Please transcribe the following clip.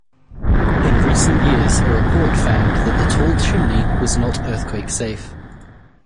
In recent years a report found that the tall chimney was not earthquake-safe.